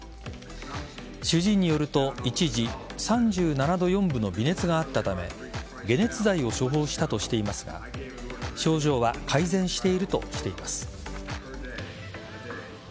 主治医によると一時３７度４分の微熱があったため解熱剤を処方したとしていますが症状は改善しているとしています。